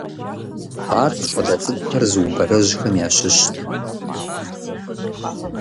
Ар щӀалэ цӀыкӀухэр зыубэрэжьхэм ящыщт.